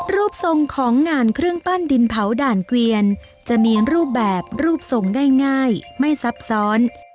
รูปทรงของงานเครื่องปั้นดินเผาด่านเกวียนจะมีรูปแบบรูปทรงได้ง่ายไม่ซับซ้อน